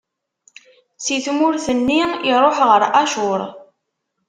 Si tmurt nni, iṛuḥ ɣer Acur.